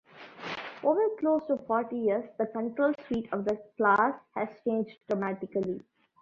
Over close to forty years the control suite of the class has changed dramatically.